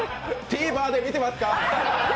Ｔｖｅｒで見てますか？